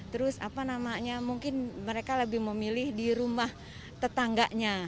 terus apa namanya mungkin mereka lebih memilih di rumah tetangganya